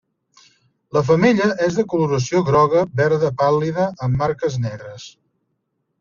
La femella és de coloració groga verda pàl·lida amb marques negres.